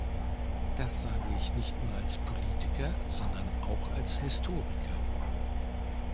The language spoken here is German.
Das sage ich nicht nur als Politiker, sondern auch als Historiker.